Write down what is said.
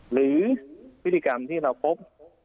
หรือพฤติกรรมที่เราพบ